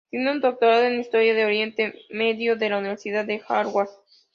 Tiene un doctorado en Historia de Oriente Medio de la Universidad de Harvard.